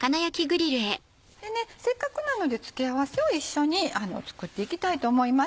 せっかくなので付け合わせを一緒に作っていきたいと思います。